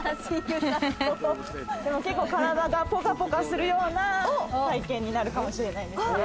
結構体がポカポカするような体験になるかもしれないですね。